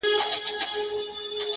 پرمختګ له کوچنیو ګامونو جوړېږي.